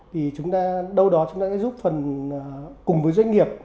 thì chúng ta đâu đó chúng ta sẽ giúp phần cùng với doanh nghiệp